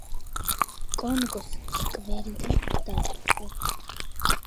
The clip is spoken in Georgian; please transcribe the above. კონგოს სკვერიდან დაიწყო.